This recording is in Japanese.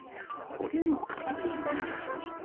これもかっこいいな。